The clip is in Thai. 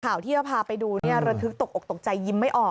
ข่าวที่จะพาไปดูเนี่ยระทึกตกอกตกใจยิ้มไม่ออก